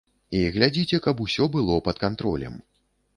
І глядзіце, каб усё было пад кантролем.